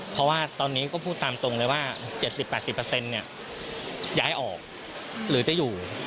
เพราะว่าตอนนี้ก็พูดตามตรงเลยว่า๗๐๘๐ย้ายออกหรือจะอยู่